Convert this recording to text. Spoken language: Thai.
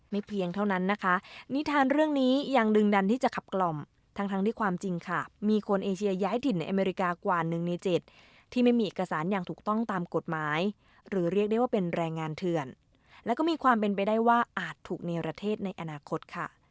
เพียงเท่านั้นนะคะนิทานเรื่องนี้ยังดึงดันที่จะขับกล่อมทั้งที่ความจริงค่ะมีคนเอเชียย้ายถิ่นในอเมริกากว่า๑ใน๗ที่ไม่มีเอกสารอย่างถูกต้องตามกฎหมายหรือเรียกได้ว่าเป็นแรงงานเถื่อนแล้วก็มีความเป็นไปได้ว่าอาจถูกในประเทศในอนาคตค่ะ